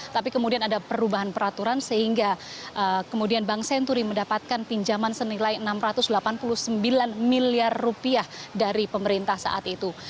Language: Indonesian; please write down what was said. tapi kemudian ada perubahan peraturan sehingga kemudian bank senturi mendapatkan pinjaman senilai rp enam ratus delapan puluh sembilan miliar rupiah dari pemerintah saat itu